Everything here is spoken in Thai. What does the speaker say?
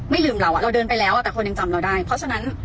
ไม่ลืมเราเราเดินไปแล้วแต่คนเองจำเราได้เพราะฉะนั้น